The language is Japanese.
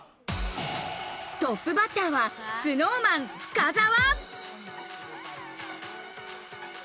トップバッターはＳｎｏｗＭａｎ深澤。